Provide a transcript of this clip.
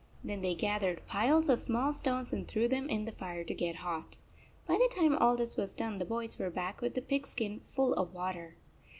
Then they gathered piles of small stones and threw them in the fire to get hot. By the time all this was done the boys were back with the pig skin full of water.